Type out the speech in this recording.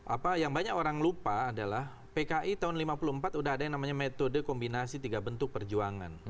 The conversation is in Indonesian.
apa yang banyak orang lupa adalah pki tahun seribu sembilan ratus lima puluh empat udah ada yang namanya metode kombinasi tiga bentuk perjuangan